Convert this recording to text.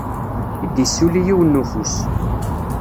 I d-isuli yiwen n ufus.